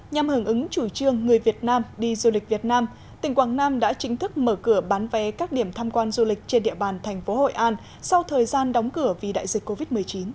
nhằm hưởng ứng chủ trương người việt nam đi du lịch việt nam tỉnh quảng nam đã chính thức mở cửa bán vé các điểm tham quan du lịch trên địa bàn thành phố hội an sau thời gian đóng cửa vì đại dịch covid một mươi chín